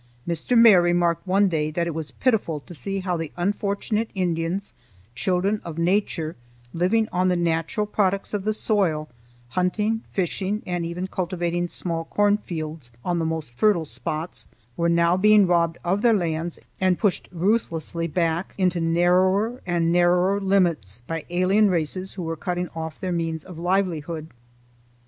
Mr. Mair remarked one day that it was pitiful to see how the unfortunate Indians, children of Nature, living on the natural products of the soil, hunting, fishing, and even cultivating small corn fields on the most fertile spots, were now being robbed of their lands and pushed ruthlessly back into narrower and narrower limits by alien races who were cutting off their means of livelihood.